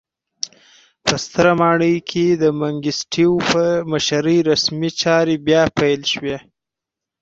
په ستره ماڼۍ کې د منګیسټیو په مشرۍ رسمي چارې بیا پیل شوې.